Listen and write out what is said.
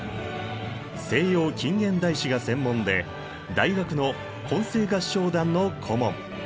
西洋近現代史が専門で大学の混声合唱団の顧問。